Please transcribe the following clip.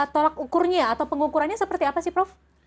tolak ukurnya atau pengukurannya seperti apa sih prof